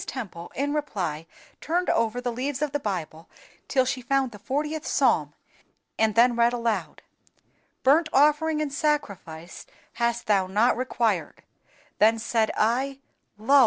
Temple in reply turned over the leaves of the Bible, till she found the fortieth Psalm, and then read aloud, "_Burnt offering and sacrifice hast Thou not required. Then said I, Lo!